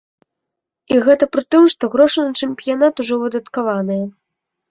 І гэта пры тым, што грошы на чэмпіянат ужо выдаткаваныя.